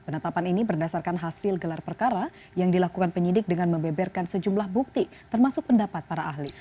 penetapan ini berdasarkan hasil gelar perkara yang dilakukan penyidik dengan membeberkan sejumlah bukti termasuk pendapat para ahli